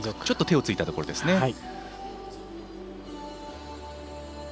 ちょっと手をついたところですね。